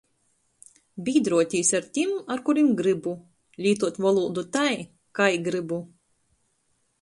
Bīdruotīs ar tim, ar kurim grybu. Lītuot volūdu tai, kai grybu.